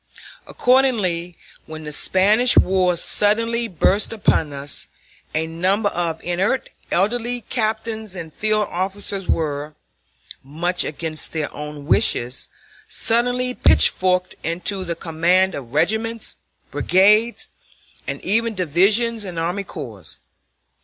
Accordingly, when the Spanish War suddenly burst upon us, a number of inert elderly captains and field officers were, much against their own wishes, suddenly pitchforked into the command of regiments, brigades, and even divisions and army corps.